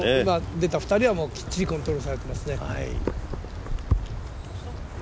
出た２人はきっちりコントロールされていますね。